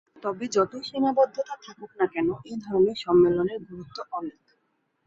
তবে যত সীমাবদ্ধতাই থাকুক না কেন, এ ধরনের সম্মেলনের গুরুত্ব অনেক।